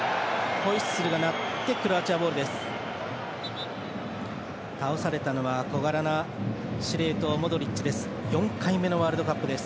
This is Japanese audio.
ホイッスルが鳴ってクロアチアボールです。